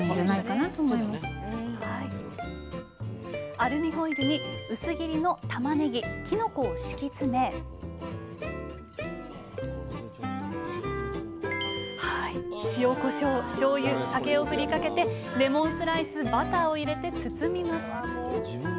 アルミホイルに薄切りのたまねぎきのこを敷き詰め塩こしょうしょうゆ酒を振りかけてレモンスライスバターを入れて包みます